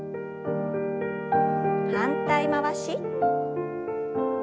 反対回し。